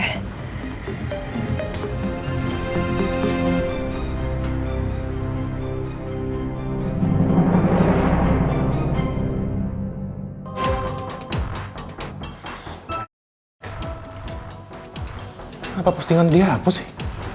kenapa postingan dihapus sih